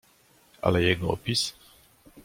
"Ale jego opis?"